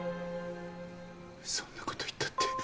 そんなこと言ったって。